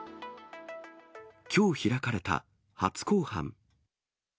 きょう開かれた初公判。